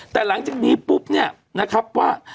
แต่หลังจากนี้ปุ๊บเนี่ยนะครับว่า